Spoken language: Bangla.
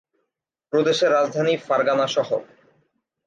প্রদেশের রাজধানী ফারগানা শহর।